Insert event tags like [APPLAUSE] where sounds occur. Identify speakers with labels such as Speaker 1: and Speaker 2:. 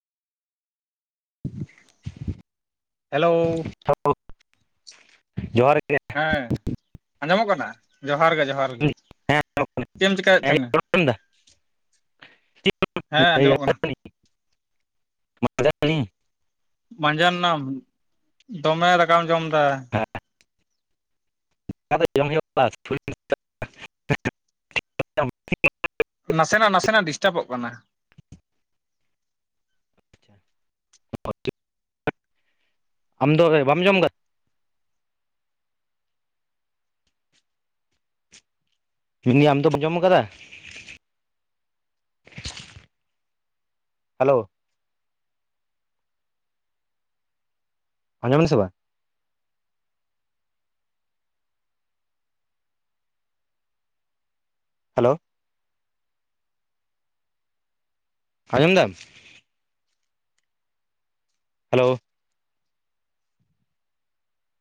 Speaker 1: Hello
Speaker 2: [UNINTELLIGIBLE] ᱡᱚᱦᱟᱨ ᱜᱮ
Speaker 1: ᱦᱮᱸ ᱟᱸᱡᱚᱢᱚᱜ ᱠᱟᱱᱟ ᱡᱚᱦᱟᱨ ᱜᱮ ᱡᱚᱦᱟᱨ ᱜᱮ
Speaker 2: ᱦᱮᱸ
Speaker 1: ᱪᱮᱫ ᱮᱢ ᱪᱮᱠᱟᱭᱮᱫ ᱛᱟᱦᱮᱱᱟ
Speaker 2: ᱡᱚᱢ
Speaker 1: ᱦᱮᱸ ᱟᱸᱡᱚᱢᱚᱜ ᱠᱟᱱᱟ
Speaker 2: [INAUDIBLE]
Speaker 1: ᱢᱟᱡᱟᱱ ᱱᱟᱢ ᱫᱚᱢᱮ ᱫᱟᱠᱟᱢ ᱡᱚᱢ ᱫᱟ
Speaker 2: ᱦᱮᱸ ᱟᱫᱚ ᱡᱚᱢ ᱦᱩᱭᱩᱜ ᱟ [UNINTELLIGIBLE]
Speaker 1: ᱱᱟᱥᱮᱱᱟᱜ ᱱᱟᱥᱮᱱᱟᱜ ᱰᱤᱥᱴᱟᱵᱚᱜ ᱠᱟᱱᱟ
Speaker 2: ᱟᱢ ᱫᱚ ᱵᱟᱢ ᱡᱚᱢ ᱠᱟᱫ ᱢᱮᱱᱫᱟ. ᱧ ᱟᱢ ᱫᱚᱢ ᱡᱚᱢ ᱠᱟᱫᱟ ᱦᱮᱞᱳ ᱟᱸᱡᱚᱢ ᱱᱟᱥᱮ ᱵᱟᱝ ᱦᱮᱞᱳ ᱟᱸᱡᱚᱢ ᱫᱟᱢ ᱦᱮᱞᱳᱣ